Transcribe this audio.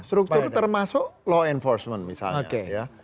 struktur termasuk law enforcement misalnya